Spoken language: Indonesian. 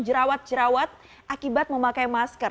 jerawat jerawat akibat memakai masker